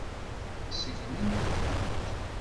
Segnet-tent.